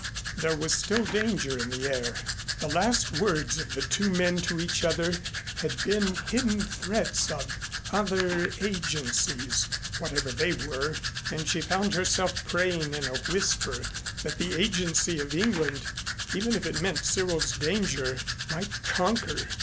There was still danger in the air. The last words of the two men to each other had been hidden threats of "other agencies," whatever they were, and she found herself praying in a whisper that the agency of England, even if it meant Cyril's danger, might conquer.